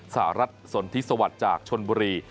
สหรัฐสนทิสวัสดิ์จากชนบุรี